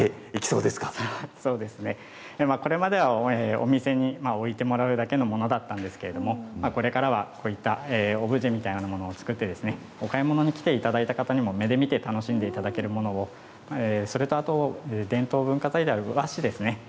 そうですね、これまではお店に置いてもらうだけのものだったんですけれどこれからはこういったオブジェみたいなものも作ってお買い物に来ていただいた方にも目で見て楽しんでいただけるものを、それと伝統文化財である和紙ですね。